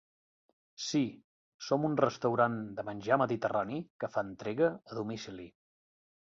Sí, som un restaurant de menjar mediterrani que fa entrega a domicili.